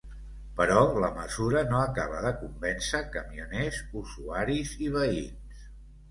Però la mesura no acaba de convèncer camioners, usuaris i veïns.